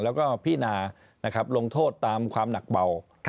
แล้วก็พินาลงโทษตามความหนักเบา